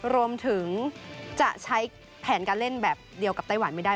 รวมถึงจะใช้แผนการเล่นแบบเดียวกับไต้หวันไม่ได้